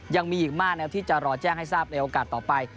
ยังมีอีกมากนะครับที่จะรอแจ้งให้ทราบในโอกาสต่อไป